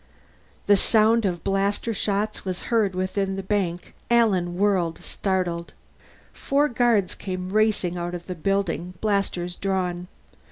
The sound of blaster shots was heard within the bank; Alan whirled, startled. Four guards came racing out of the building, blasters drawn.